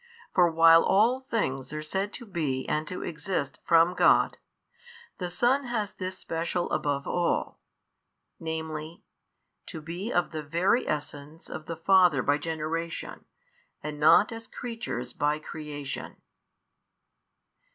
For while all things are said to be and to exist from God, the Son has this special above all, viz., to be of the Very Essence of the Father by Generation and not as creatures by creation.